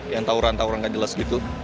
yang tawuran tawuran nggak jelas gitu